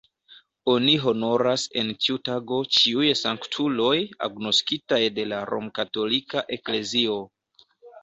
Oni honoras en tiu tago ĉiuj sanktuloj agnoskitaj de la romkatolika eklezio.